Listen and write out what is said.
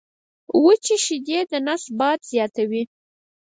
وچي شیدې د نس باد زیاتوي.